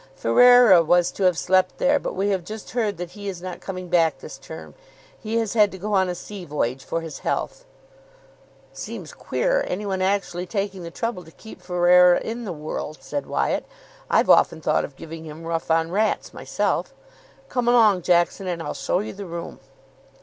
"Fereira was to have slept there, but we have just heard that he is not coming back this term. He has had to go on a sea voyage for his health." "Seems queer any one actually taking the trouble to keep Fereira in the world," said Wyatt. "I've often thought of giving him Rough On Rats myself. Come along, Jackson, and I'll show you the room."